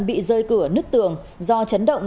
bị rơi cửa nứt tường do chấn động